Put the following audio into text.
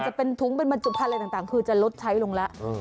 จะเป็นถุงเป็นบรรจุภัณฑ์อะไรต่างคือจะลดใช้ลงแล้ว